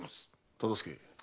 忠相。